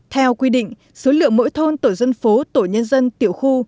theo quy định số lượng mỗi thôn tổ dân phố tổ nhân dân tiểu khu